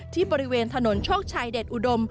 ที่บริเวณถนนโชคชัยเดชอุดม